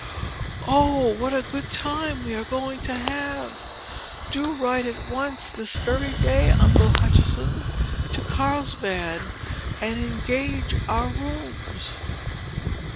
Oh, what a good time we are going to have! Do write at once, this very day, Uncle Hutchinson, to Carlsbad and engage our rooms."